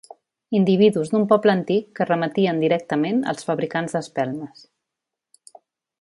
Individus d'un poble antic que remetien directament als fabricants d'espelmes.